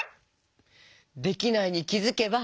「できないに気づけば」。